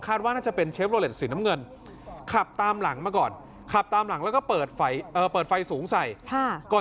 คาดว่าน่าจะเป็นเชฟโลเล็ตสีน้ำเงิน